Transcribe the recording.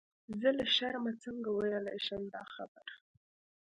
زه له شرمه څنګه ویلای شم دا خبره.